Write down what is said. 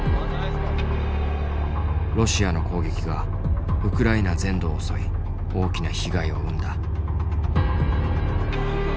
ロシアの攻撃がウクライナ全土を襲い大きな被害を生んだ。